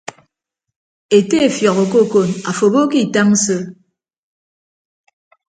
Ete efiọk okokon afo abo ke itañ so.